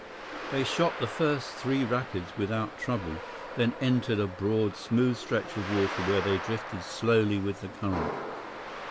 97 They shot the first three rapids without trouble, then entered a broad, smooth stretch of water where they drifted slowly with the current.